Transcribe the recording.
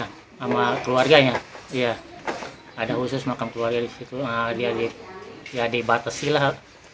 hai sama keluarganya iya ada khusus makan keluarga disitu adik adik ya dibatasi lah